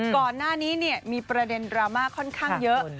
ก่อนหน้านี้มีประเด็นดราม่าค่อนข้างเยอะ